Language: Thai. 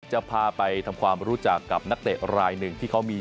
จะพาไปทำความรู้จักกับนักเตะรายหนึ่งที่เขามี